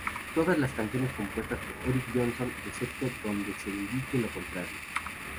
Todas las canciones compuestas por Eric Johnson, excepto donde se indique lo contrario.